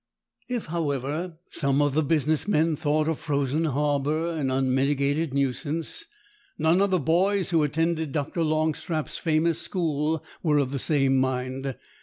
If, however, some of the business men thought a frozen harbour an unmitigated nuisance, none of the boys who attended Dr. Longstrap's famous school were of the same mind.